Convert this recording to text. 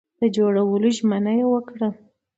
د جوړولو ژمنه یې وکړه.